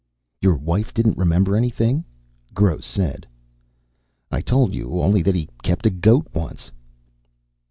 "Your wife didn't remember anything?" Gross said. "I told you. Only that he kept a goat, once."